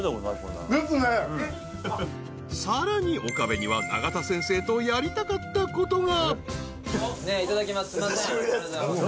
［さらに岡部には永田先生とやりたかったことが］